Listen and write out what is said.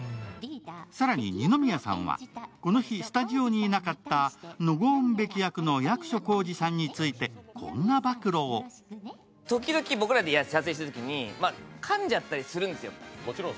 更に、二宮さんはこの日スタジオにいなかったノゴーン・ベキ役の役所広司さんについてこんな暴露を時々、僕らが撮影しているときにかんじゃったりするんですよ。